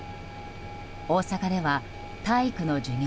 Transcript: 大阪では体育の授業